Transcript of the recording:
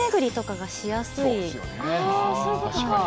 あそういうことか。